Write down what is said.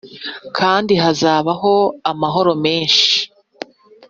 kandi hazabaho amahoro menshi,